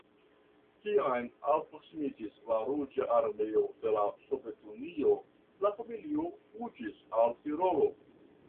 Kiam alproksimiĝis la Ruĝa Armeo de la Sovetunio, la familio fuĝis al Tirolo.